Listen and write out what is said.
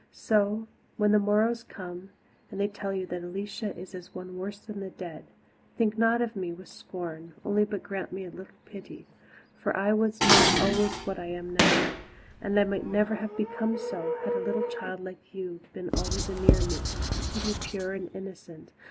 So, when the morrow's come, and they tell you that Alicia is as one worse than dead, think not of me with scorn only but grant me a little pity for I was not always what I am now, and might never have become so had a little child like you been always anear me, to keep me pure and innocent.